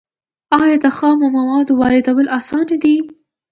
آیا د خامو موادو واردول اسانه دي؟